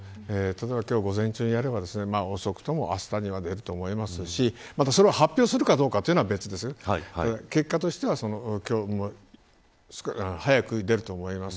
今日の午前中にやれば遅くともあしたには出ると思いますしそれを発表するかどうかは別ですが結果としては早く出ると思います。